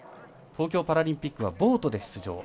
東京パラリンピックはボートで出場。